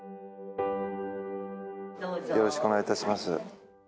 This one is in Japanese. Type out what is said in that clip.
よろしくお願いします。